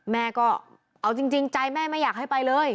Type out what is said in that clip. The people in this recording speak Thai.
แม่ก็เอาจริงใจแม่ไม่อยากให้ไปเลย